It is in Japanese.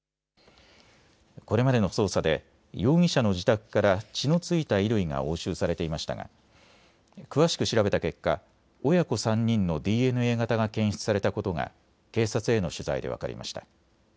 これまでの捜査で容疑者の自宅から血の付いた衣類が押収されていましたが詳しく調べた結果、親子３人のＤＮＡ型が検出されたことが警察への取材で分かりました。